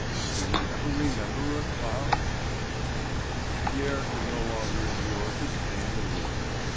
Do we ever remember a cloud? Pierre could no longer endure to stay in the room!